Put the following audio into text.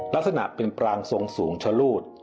ลักษณะเป็นปรางทรงสูงชะลูด